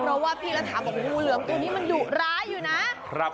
เพราะว่าพี่รัฐาบอกงูเหลือมตัวนี้มันดุร้ายอยู่นะครับ